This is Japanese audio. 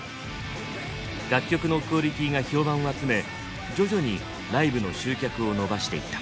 楽曲のクオリティーが評判を集め徐々にライブの集客を伸ばしていった。